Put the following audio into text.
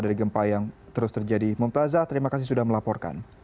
dari gempa yang terus terjadi mumtazah terima kasih sudah melaporkan